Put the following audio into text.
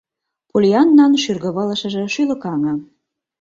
Поллианнан шӱргывылышыже шӱлыкаҥе.